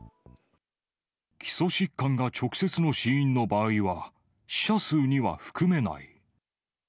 基礎疾患が直接の死因の場合は、死者数には含めない。